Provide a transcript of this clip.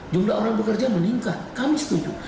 jumlah orang bekerja meningkat kami setuju